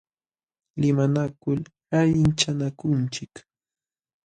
Limanakul allichanakunchik.